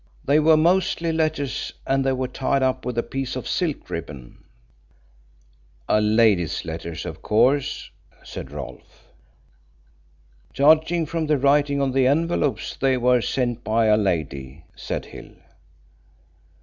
They were mostly letters and they were tied up with a piece of silk ribbon." "A lady's letters, of course," said Rolfe. "Judging from the writing on the envelopes they were sent by a lady," said Hill.